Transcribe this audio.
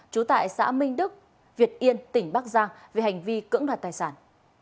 trú tại xã minh đức việt yên tỉnh bắc giang về hành vi cưỡng đoạt tài sản